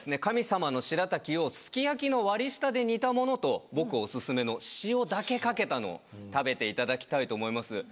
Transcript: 神様のしらたきをすき焼きの割り下で煮たものと僕おすすめの塩だけかけたのを食べていただきたいと思います。